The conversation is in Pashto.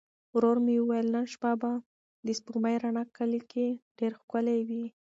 ورور مې وویل نن شپه به د سپوږمۍ رڼا کلي کې ډېره ښکلې وي.